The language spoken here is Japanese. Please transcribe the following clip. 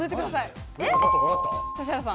指原さん。